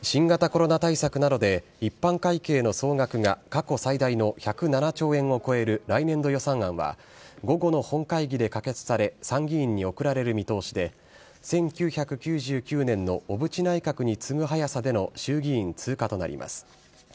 新型コロナ対策などで、一般会計の総額が過去最大の１０７兆円を超える来年度予算案は、午後の本会議で可決され、参議院に送られる見通しで、１９９９年の小渕内閣に次ぐ早さでの衆議院通過となります。